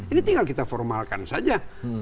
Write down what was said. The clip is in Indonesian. ini tinggal kita formalkan saja